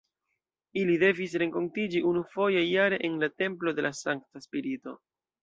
Ili devis renkontiĝi unufoje jare en la "Templo de la Sankta Spirito".